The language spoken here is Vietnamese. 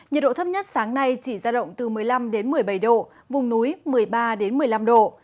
nhiệt độ thấp nhất sáng nay chỉ ra động từ một mươi năm một mươi bảy độ vùng núi một mươi ba một mươi năm độ